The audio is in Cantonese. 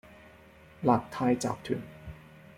勒泰集團